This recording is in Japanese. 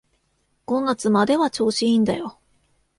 五月までは調子いいんだよ